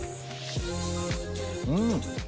うん！